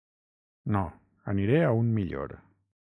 No, aniré a un millor.